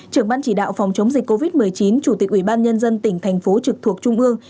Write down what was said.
trưởng ban chỉ đạo phòng chống dịch covid một mươi chín chủ tịch ủy ban nhân dân tỉnh thành phố trực thuộc trung ương